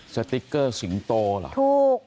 สติ๊กเกอร์สิงโตเหรอถูก